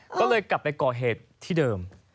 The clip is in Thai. ก็เลยกลับไปก่อเหตุที่เดิม